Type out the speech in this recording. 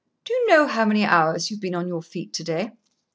"Do you know how many hours you have been on your feet to day?"